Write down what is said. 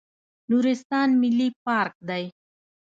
نورستان ملي پارک دی